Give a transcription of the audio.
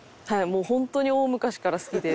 もう本当に大昔から好きで。